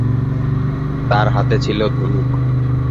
তার হাতে ছিল ধনুক।